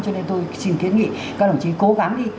cho nên tôi xin kiến nghị các đồng chí cố gắng đi